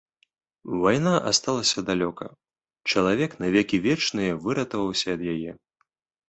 Вайна асталася далёка, чалавек на векі вечныя выратаваўся ад яе.